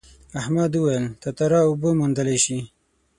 احمد وویل تتارا اوبه موندلی شي.